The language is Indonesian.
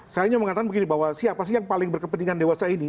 saya hanya mengatakan begini bahwa siapa sih yang paling berkepentingan dewasa ini